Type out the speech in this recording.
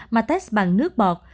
mà test bằng nước bọt